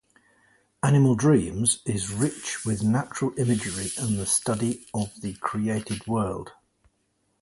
"Animal Dreams" is rich with natural imagery and the study of the created world.